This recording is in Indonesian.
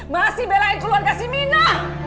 masih belain keluarga si mina